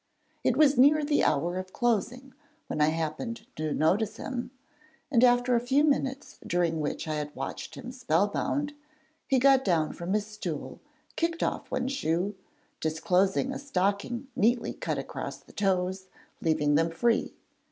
It was near the hour of closing when I happened to notice him, and after a few minutes during which I had watched him spellbound, he got down from his stool, kicked off one shoe, disclosing a stocking neatly cut across the toes, leaving them free.